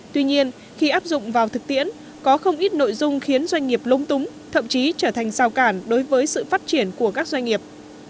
tuy nhiên khi áp dụng vào thực tiễn có không ít nội dung khiến doanh nghiệp lung túng thậm chí trở thành sao cản đối với sự phát triển của các doanh nghiệp